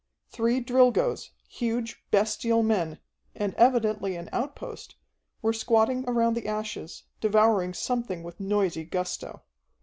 Three Drilgoes, huge, bestial men, and evidently an outpost, were squatting around the ashes, devouring something with noisy gusto.